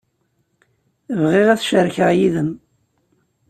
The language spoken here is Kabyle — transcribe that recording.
Bɣiɣ ad t-cerkeɣ yid-m.